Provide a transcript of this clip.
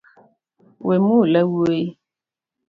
Wemula wuoyi